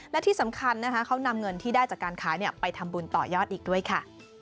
และที่สำคัญนะคะเขานำเงินที่ได้จากการขายไปทำบุญต่อยอดอีกด้วยค่ะ